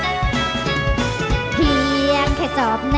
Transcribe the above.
เธอเป็นผู้สาวขาเลียน